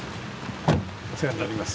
お世話になります。